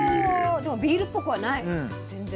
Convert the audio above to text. でもビールっぽくはない全然。